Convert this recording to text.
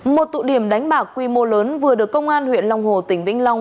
một tụ điểm đánh bạc quy mô lớn vừa được công an huyện long hồ tỉnh vĩnh long